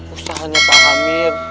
usahanya pak hamir